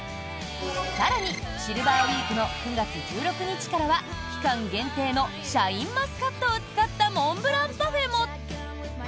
更にシルバーウィークの９月１６日からは期間限定のシャインマスカットを使ったモンブランパフェも！